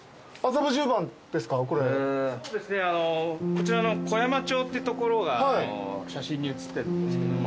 こちらの小山町って所が写真に写ってるんですけども。